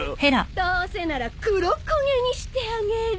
どうせなら黒焦げにしてあげる。